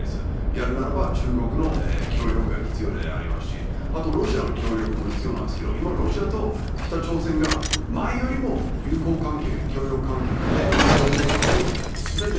やるならば、中国の協力が必要でありますし、あとロシアの協力も必要なんですけど、今、ロシアと北朝鮮が前よりも友好関係、協力関係、もしかしたら同盟関係を進めて。